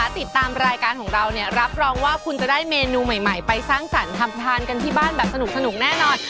ติดตามรายการของเราเนี่ยรับรองว่าคุณจะได้เมนูใหม่ไปสร้างสรรค์ทำทานกันที่บ้านแบบสนุกแน่นอน